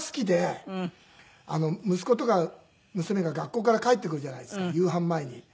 息子とか娘が学校から帰ってくるじゃないですか夕飯前に。